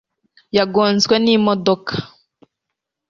yagonzwe n'imodoka